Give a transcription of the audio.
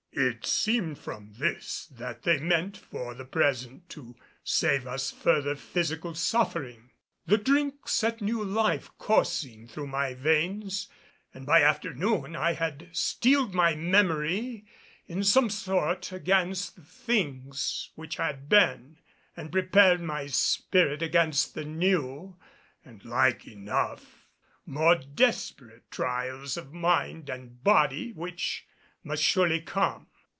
It seemed from this that they meant for the present to save us further physical suffering. The drink set new life coursing through my veins, and by afternoon I had steeled my memory in some sort against the things which had been, and had prepared my spirit against the new and, like enough, more desperate trials of mind and body which must surely come.